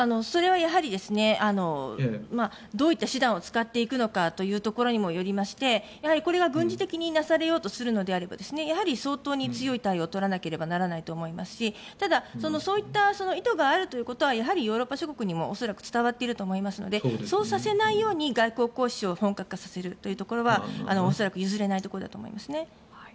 それはやはりどういった手段を使っていくのかというところにもよりましてやはり、これが軍事的になされようとするのであればやはり相当に強い対応を取らなければいけないと思いますしただ、そういった意図があるということはやはりヨーロッパ諸国にも恐らく伝わっていると思いますしそうさせないように外交交渉を本格化させるというところは恐らく譲れないところだと思いますね。